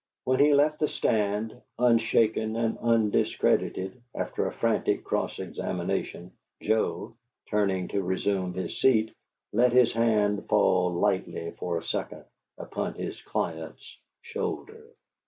When he left the stand, unshaken and undiscredited, after a frantic cross examination, Joe, turning to resume his seat, let his hand fall lightly for a second upon his client's shoulder.